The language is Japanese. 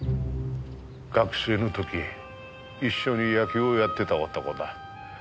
学生の時一緒に野球をやってた男だ。